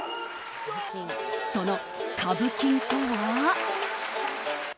そのカブキンとは。